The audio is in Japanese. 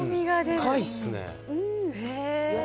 深いっすね。